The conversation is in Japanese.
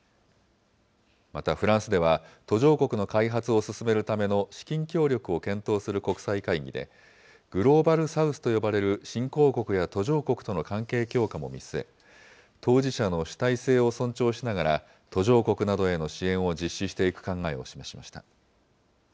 また、フランスでは途上国の開発を進めるための資金協力を検討する国際会議で、グローバル・サウスと呼ばれる新興国や途上国との関係強化も見据え、当事者の主体性を尊重しながら途上国などへの支援を実施していく考えを示しました。